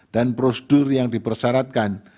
dan prosedur yang dipersyaratkan